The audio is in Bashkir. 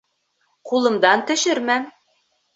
Ҡулымдан төшөрмәм